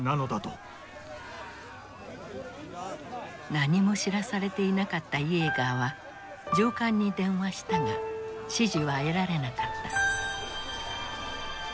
何も知らされていなかったイエーガーは上官に電話したが指示は得られなかった。